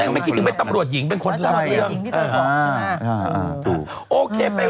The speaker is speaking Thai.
ไม่คิดถึงตำรวจหญิงเป็นคนหลัก